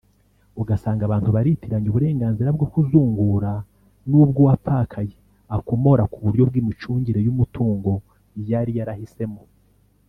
ugasanga abantu baritiranya uburenganzira bwo kuzungura n’ubw’uwapfakaye akomora ku buryo bw’imicungire y’umutungo yari yarahisemo